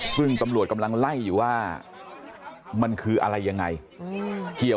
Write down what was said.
ซึ่งตำรวจกำลังไล่อยู่ว่ามันคืออะไรยังไงเกี่ยว